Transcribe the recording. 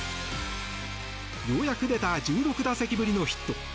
ようやく出た１６打席ぶりのヒット。